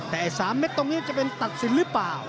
แต่๓เม็ดตรงนี้จะเป็นตัดสินหรือเปล่า